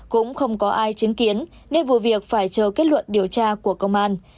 cũng không có ai chứng kiến nên vụ việc phải chờ kết luận điều tra của công an